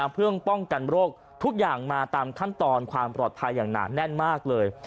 เพื่อป้องกันโรคทุกอย่างมาตามขั้นตอนความปลอดภัยอย่างหนาแน่นมากเลย